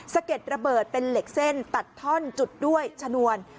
เก็ดระเบิดเป็นเหล็กเส้นตัดท่อนจุดด้วยชนวน